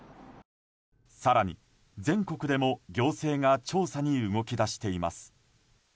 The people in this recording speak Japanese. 更に、全国でも行政が調査に動き出しています。